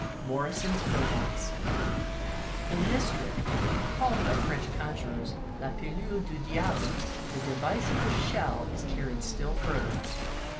Fig. 129. Morison's Pill box. — In this trick (called by French conjurors La PUule du Diable) the device of the " shell " is carried still further.